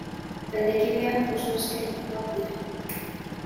Taldekideak oso esker onekoak dira.